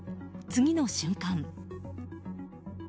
次の瞬間。